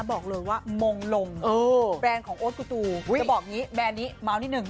บอกเลยว่ามงลงแบรนด์ของโอ๊ตกูตูจะบอกอย่างนี้แบรนด์นี้เมาส์นิดนึง